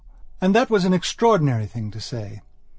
And that was an extraordinary thing to say.